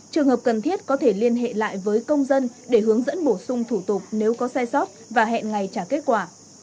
trường hợp cần thiết có thể liên hệ lại với công dân để hướng dẫn bổ sung thủ tục nếu có sai sót và hẹn ngày trả kết quả